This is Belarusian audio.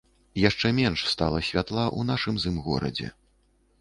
Яшчэ менш стала святла ў нашым з ім горадзе.